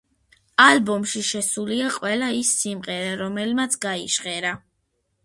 ალბომში შესულია ყველა ის სიმღერა რომელმაც გაიჟღერა.